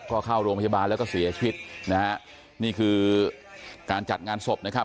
ก็เข้าโรงพยาบาลแล้วก็เสียชีวิตนะฮะนี่คือการจัดงานศพนะครับ